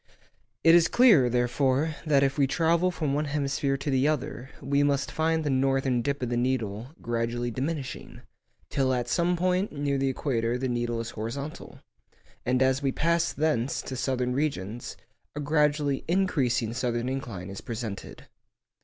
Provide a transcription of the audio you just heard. It is clear, therefore, that if we travel from one hemisphere to the other we must find the northern dip of the needle gradually diminishing, till at some point near the equator the needle is horizontal; and as we pass thence to southern regions, a gradually increasing southern inclination is presented.